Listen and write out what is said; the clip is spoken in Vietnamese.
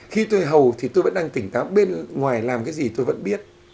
khi tôi hầu thì tôi vẫn đang tỉnh táo bên ngoài làm cái gì tôi vẫn biết